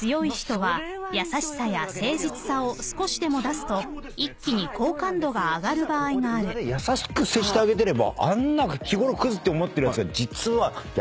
裏で優しく接してあげてればあんな日ごろクズって思ってるやつが実は優しいんだと。